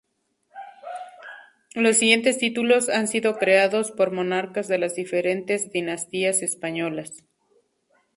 Los siguientes títulos han sido creados por monarcas de las diferentes dinastías españolas.